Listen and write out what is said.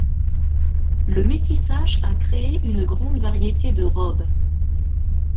Le métissage a créé une grande variété de robes.